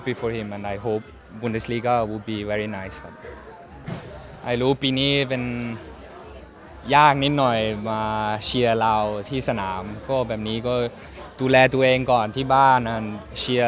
มีคนบอกว่าเค้าตัวเล็กไปแล้วเจฬีกคือคนที่สุดสุข